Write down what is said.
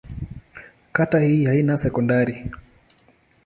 Kata hii haina sekondari.